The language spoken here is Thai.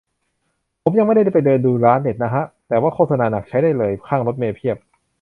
ผมยังไม่ได้ไปเดินดูร้านเน็ตนะฮะ แต่ว่าโฆษนาหนักใช้ได้เลย ข้างรถเมล์เพียบ